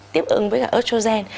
tiếp ứng với cái estrogen